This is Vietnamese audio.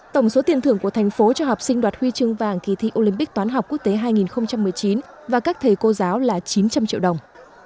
tổng số tiền thưởng của thành phố cho học sinh đoạt huy chương vàng kỳ thi olympic toán học quốc tế hai nghìn một mươi chín và các thầy cô giáo là chín trăm linh triệu đồng